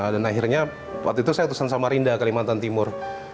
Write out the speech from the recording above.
dan akhirnya waktu itu saya tusan sama rinda kalimantan timur